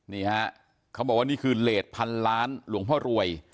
นี่ฮะเขาบอกว่านี่คือเลสพันล้านหลวงพ่อรวย